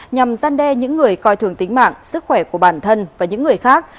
nhằm gian đe những người coi thường tính mạng sức khỏe của bản thân và những người khác